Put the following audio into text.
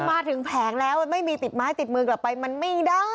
มาถึงแผงแล้วไม่มีติดไม้ติดมือกลับไปมันไม่ได้